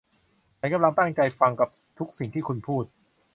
ฉันกำลังตั้งใจฟังกับทุกสิ่งที่คุณพูด